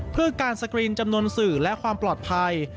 เพื่อการสกรีนจำนวนสื่อและความปลอดภัย